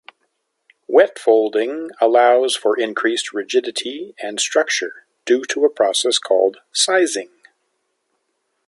Wet-folding allows for increased rigidity and structure due to a process called "sizing".